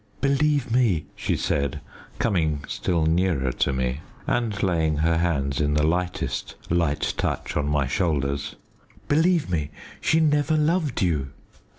"Believe me," she said, coming still nearer to me, and laying her hands in the lightest light touch on my shoulders, "believe me, she never loved you."